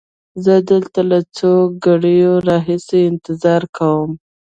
زه دلته له څو ګړیو را هیسې انتظار کومه.